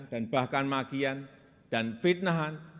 dan bahkan makian dan fitnahan